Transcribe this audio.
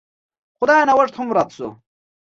خو دا نوښت هم رد شو